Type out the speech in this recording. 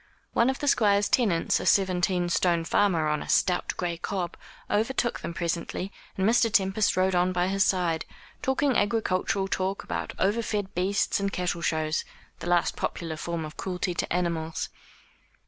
One of the Squire's tenants, a seventeen stone farmer, on a stout gray cob, overtook them presently, and Mr. Tempest rode on by his side, talking agricultural talk about over fed beasts and cattle shows, the last popular form of cruelty to animals.